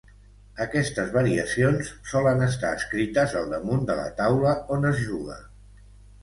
Aquestes variacions solen estar escrites al damunt de la taula on es juga.